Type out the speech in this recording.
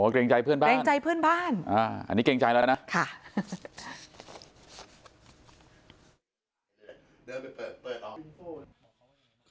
เกรงใจเพื่อนบ้านอันนี้เกรงใจแล้วนะค่ะ